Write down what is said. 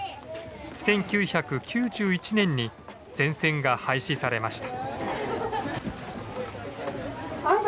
１９９１年に全線が廃止されました。